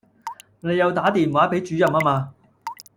你有打電話畀主任吖嗎